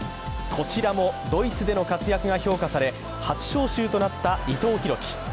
こちらもドイツでの活躍が評価され、初招集となった伊藤洋輝。